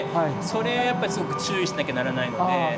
それやっぱすごく注意しなきゃならないので。